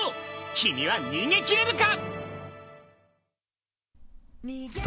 君は逃げ切れるか！？